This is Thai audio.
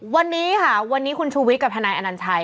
วันนี้ค่ะวันนี้คุณชูวิทย์กับทนายอนัญชัย